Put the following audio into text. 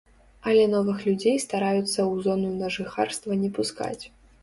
Але новых людзей стараюцца ў зону на жыхарства не пускаць.